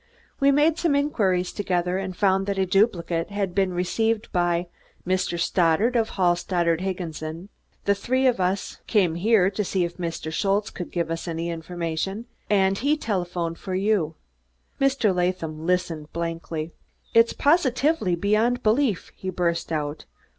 We made some inquiries together and found that a duplicate had been received by Mr. Stoddard, of Hall Stoddard Higginson. The three of us came here to see if Mr. Schultze could give us any information, and he telephoned for you." Mr. Latham listened blankly. "It's positively beyond belief," he burst out.